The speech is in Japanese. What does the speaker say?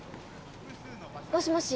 もしもし。